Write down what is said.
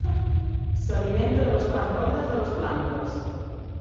S'alimenta de les parts verdes de les plantes.